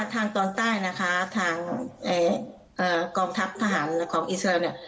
ทางตอนใต้นะคะทางกองทัพทหารของอิสราเนี่ย